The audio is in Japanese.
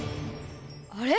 あれ？